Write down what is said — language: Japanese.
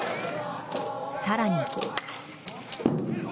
更に。